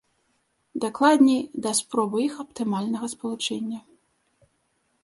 Дакладней, да спробы іх аптымальнага спалучэння.